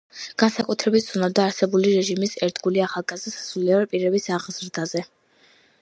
განსაკუთრებით ზრუნავდა არსებული რეჟიმის ერთგული ახალგაზრდა სასულიერო პირების აღზრდაზე.